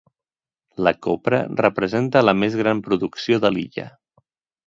La copra representa la més gran producció de l'illa.